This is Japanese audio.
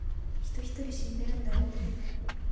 人一人死んでるんだよ